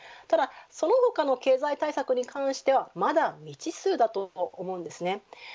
その他の経済対策に関してはまだ未知数だと思います。